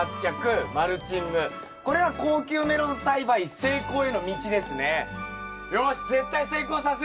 これが高級メロン栽培成功への道ですね。